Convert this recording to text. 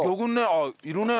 ああいるね。